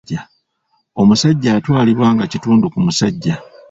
Omukyala atwalibwa nga kitundu ku musajja